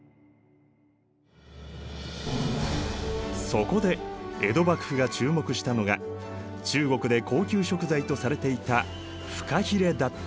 そこで江戸幕府が注目したのが中国で高級食材とされていたフカヒレだった！